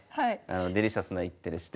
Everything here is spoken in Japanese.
デリシャスな一手でして。